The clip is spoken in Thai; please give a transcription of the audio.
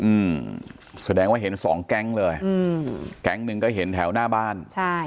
อืมแสดงว่าเห็นสองแก๊งเลยอืมแก๊งหนึ่งก็เห็นแถวหน้าบ้านใช่